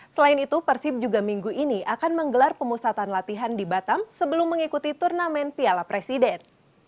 selain itu persib juga minggu ini akan menggelar pemusatan latihan di batam sebelum mengikuti turnamen piala presiden